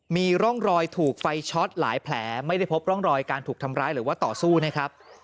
มีร่องรอยถูกไฟช็อตหลายแผลไม่ได้พบร่องรอยการถูกทำร้ายหรือว่าต่อสู้นะครับ